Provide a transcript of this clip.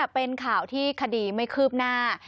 เป็นข่าวที่คดีไม่คืบหน้า